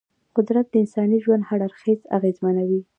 قدرت د انساني ژوند هر اړخ اغېزمنوي.